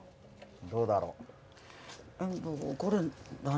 どうだろう？